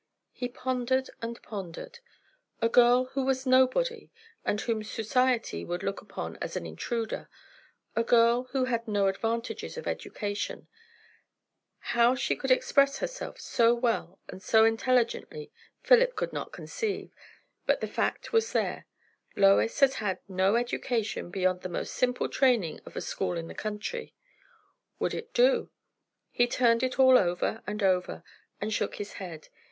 He pondered and pondered. A girl who was nobody, and whom society would look upon as an intruder; a girl who had had no advantages of education how she could express herself so well and so intelligently Philip could not conceive, but the fact was there; Lois had had no education beyond the most simple training of a school in the country; would it do? He turned it all over and over, and shook his head.